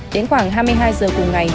đến khoảng hai mươi hai h cùng ngày